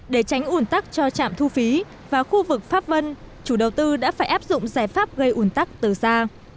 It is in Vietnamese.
để tránh ủn tắc cho trạm thu phí và khu vực pháp vân chủ đầu tư đã phải áp dụng giải pháp gây ủn tắc từ xa